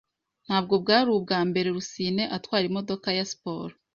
Ntabwo bwari ubwa mbere Rusine atwara imodoka ya siporo.